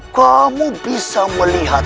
kamu bisa melihat